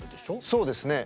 そうですね。